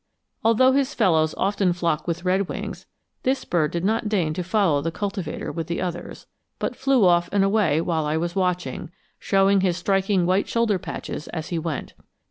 Although his fellows often flock with redwings, this bird did not deign to follow the cultivator with the others, but flew off and away while I was watching, showing his striking white shoulder patches as he went.